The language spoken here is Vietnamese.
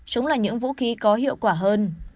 chống lại những vũ khí có hiệu quả hơn